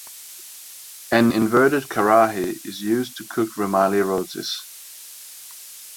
An inverted karahi is used to cook Rumali Rotis.